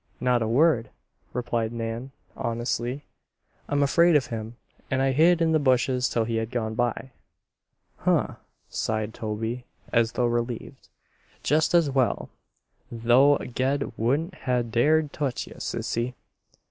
"Not a word," replied Nan, honestly. "I'm afraid of him and I hid in the bushes till he had gone by." "Huh!" sighed Toby, as though relieved. "Jest as well. Though Ged wouldn't ha' dared touch ye, Sissy."